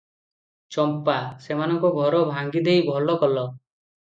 ଚମ୍ପା: ସେମାନଙ୍କ ଘର ଭାଙ୍ଗିଦେଇ ଭଲ କଲ ।